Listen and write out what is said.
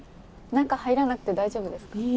中入らなくて大丈夫ですか？